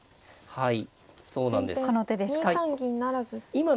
はい。